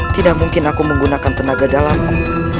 tidak mungkin aku menggunakan tenaga dalamku